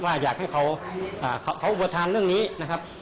ว่าอยากให้เขาอุปทานเรื่องนี้นะครับ